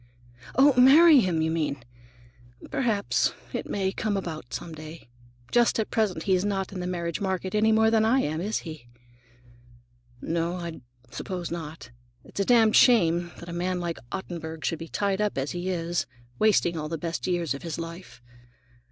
Oh, marry him, you mean! Perhaps it may come about, some day. Just at present he's not in the marriage market any more than I am, is he?" "No, I suppose not. It's a damned shame that a man like Ottenburg should be tied up as he is, wasting all the best years of his life.